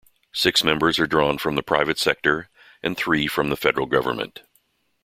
Six members are drawn from the private sector and three from the federal government.